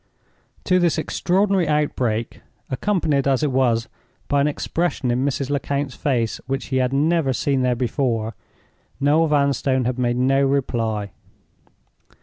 To this extraordinary outbreak—accompanied as it was by an expression in Mrs. Lecount's face which he had never seen there before—Noel Vanstone had made no reply.